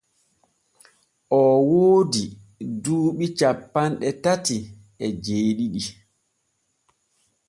Oo woodi duuɓi cappanɗe tati e jeeɗiɗi.